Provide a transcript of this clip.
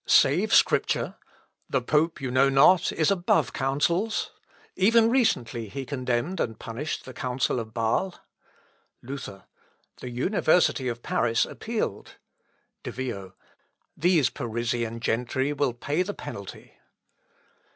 _ "Save Scripture!... The pope, know you not, is above Councils? Even recently he condemned and punished the Council of Bâsle." Luther. "The university of Paris appealed." De Vio. "These Parisian gentry will pay the penalty."